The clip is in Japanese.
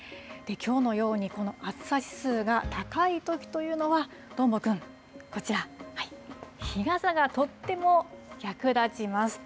きょうのようにこの暑さ指数が高いときというのは、どーもくん、こちら、日傘がとっても役立ちます。